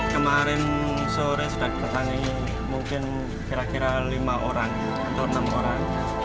kemarin sore sudah ditangani mungkin kira kira lima orang atau enam orang